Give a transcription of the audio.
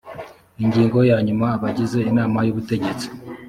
ingingo ya nyuma abagize inama y ubutegetsi